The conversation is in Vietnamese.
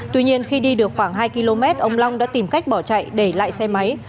tuy nhiên khi đi được khoảng hai km ông long đã tìm cách bỏ chạy để lại xe máy